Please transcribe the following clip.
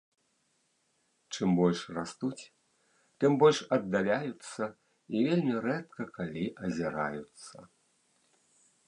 Чым больш растуць, тым больш аддаляюцца і вельмі рэдка калі азіраюцца.